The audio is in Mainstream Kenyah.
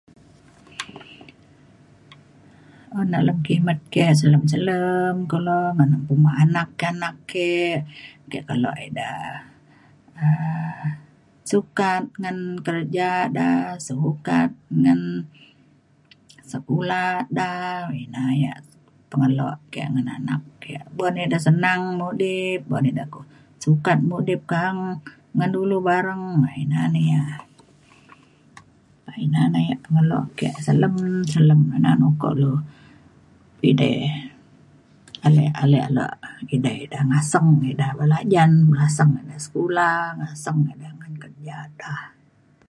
un dalem kimet ke selem selem kulo ngan anak anak ke ake kelo ida um sukat ngan kerja da sukat ngan sekula da ina ia' pengelok ke ngan anak ke. bok na ida senang mudip bok na ida sukat mudip ka'ang ngan dulu bareng na ina na ia' pah ina na ia' pengelo ake selem selem. na uko lu ida alek alek ale ida ngaseng ida belajan ngaseng ida sekula ngaseng ida ngan kerja da